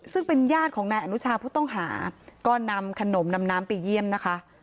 ซึ่งเป็นญาติของนายอนุชาผู้ต้องหาก็นำขนมนำน้ำไปเยี่ยมนะคะ